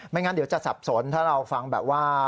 งั้นเดี๋ยวจะสับสนถ้าเราฟังแบบว่า